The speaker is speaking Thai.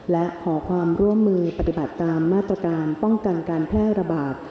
และขอความร่วมมือปฏิบัติตามมาตรการป้องกันการแพร่ระบาด